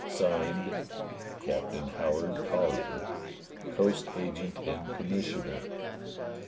[Signed] "Captain Howard Collyer, "Coast Agent and Commissioner.